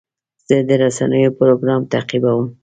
زه د رسنیو پروګرام تعقیبوم.